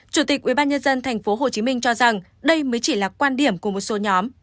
chủ tịch ubnd tp hcm cho rằng đây mới chỉ là quan điểm của một số nhóm